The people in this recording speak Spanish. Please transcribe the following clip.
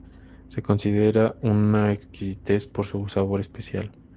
Se considera una exquisitez por su sabor especial.